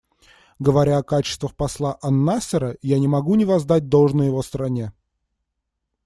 Говоря о качествах посла ан-Насера, я не могу не воздать должное его стране.